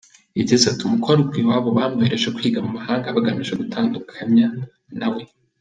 Yagize ati “Umukobwa iwabo bamwohereje kwiga mu mahanga, bagamije kuntandukanya na we.